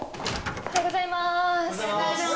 おはようございます。